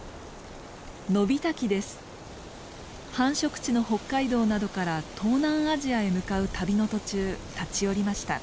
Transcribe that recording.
繁殖地の北海道などから東南アジアへ向かう旅の途中立ち寄りました。